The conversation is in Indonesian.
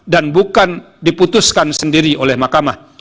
dan bukan diputuskan sendiri oleh makamah